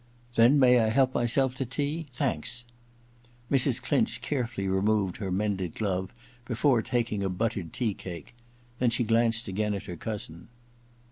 * Then may I help myself to tea ? Thanks.* Mrs. Clinch carefully removed her mended glove before taking a buttered tea cake ; then she glanced again at her cousin.